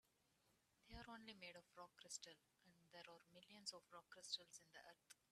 They're only made of rock crystal, and there are millions of rock crystals in the earth.